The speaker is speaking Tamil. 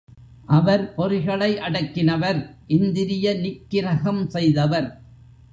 அவர் பொறிகளை அடக்கினவர் இந்திரிய நிக்கிரகம் செய்தவர்.